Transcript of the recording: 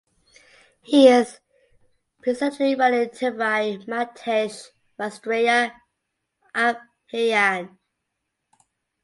He is presently running Terai Madhesh Rastriya Abhiyan.